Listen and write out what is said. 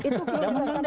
itu guru berhasrama kan